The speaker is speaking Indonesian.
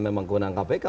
memang kewenangan kpk